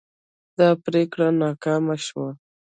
دا پریکړه ناکامه شوه.